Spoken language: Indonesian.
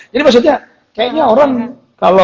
jadi maksudnya kayaknya orang kalau